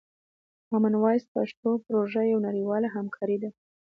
کامن وایس پښتو پروژه یوه نړیواله همکاري ده.